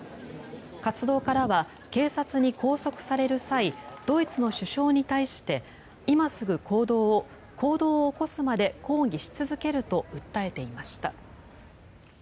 活動家らは警察に拘束される際ドイツの首相に対して今すぐ行動を行動を起こすまで抗議し続けると訴えていました。